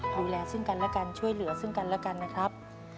ดูแลซึ่งกันและกันช่วยเหลือซึ่งกันแล้วกันนะครับ